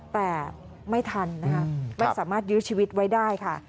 แต่ไม่ทันนะคะไม่สามารถยื้อชีวิตไว้ได้ค่ะ